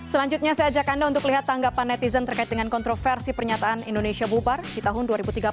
selanjutnya saya ajak anda untuk lihat tanggapan netizen terkait dengan kontroversi pernyataan indonesia bubar di tahun dua ribu tiga puluh